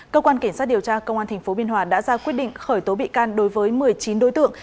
cơ quan cảnh sát điều tra công an tp biên hòa đã ra quyết định khởi tố bị can đối với một mươi chín đối tượng